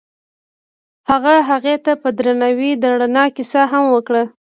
هغه هغې ته په درناوي د رڼا کیسه هم وکړه.